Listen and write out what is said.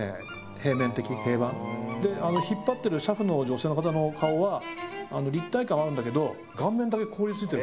平面的平板。で引っ張ってる車夫の女性の顔は立体感はあるんだけど顔面だけ凍りついてる。